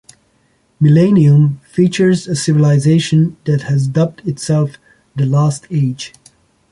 "Millennium" features a civilization that has dubbed itself "The Last Age".